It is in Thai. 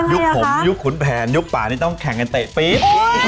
ผมยุคขุนแผนยุคป่านี่ต้องแข่งกันเตะปี๊บ